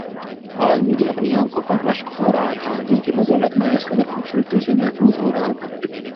آج مجھے اپنی انکھوں پر رشک ہو رہا تھا جن کی بدولت میں اس قدر خوبصورتی سے محظوظ ہو رہا تھا